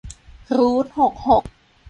รูทหกหก